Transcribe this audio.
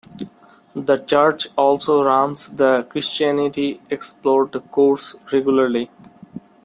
The church also runs the Christianity Explored course regularly.